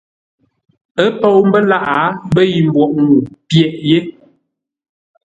Ə́ pou mbə́ lâʼ ə́ mbə́ yi mboʼ ŋuu pyəghʼ yé.